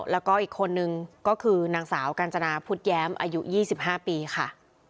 แล้วก็อีกคนนึงก็คือนางสาวกัญจนาพุทธแย้มอายุ๒๕ปีค่ะ